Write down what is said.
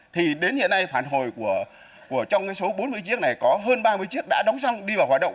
thì đến hiện nay phản hồi trong số bốn mươi chiếc này có hơn ba mươi chiếc đã đóng xong đi vào hoạt động